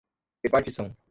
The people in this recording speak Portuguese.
repartição